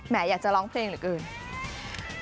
แหมอยากจะร้องเพลงเหลือกึ่ง